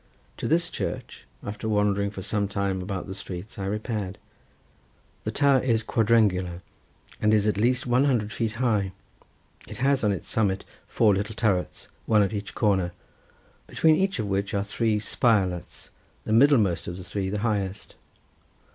To this church, after wandering for some time about the streets, I repaired. The tower is quadrangular, and is at least one hundred feet high; it has on its summit four little turrets, one at each corner, between each of which are three spirelets, the middlemost of the three the highest.